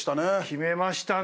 決めましたね。